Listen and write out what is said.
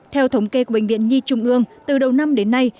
theo thống kê của bệnh viện nhi trung ương từ đầu năm đến nay